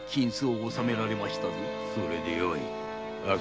それでよい。